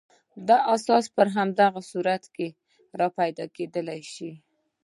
دا احساس په هغه صورت کې راپیدا کېدای شي.